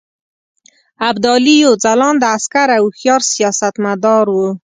ابدالي یو ځلانده عسکر او هوښیار سیاستمدار وو.